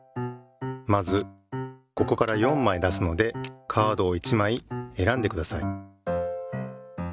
まずここから４まい出すのでカードを１まいえらんでください。